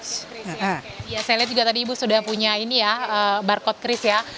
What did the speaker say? saya lihat juga tadi ibu sudah punya ini ya barcode cris ya